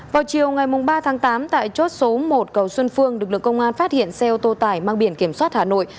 vào chiều ngày ba tháng tám tại chốt số một cầu xuân phương lực lượng công an phát hiện xe ô tô tải mang biển kiểm soát hà nội